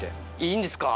いいんですか？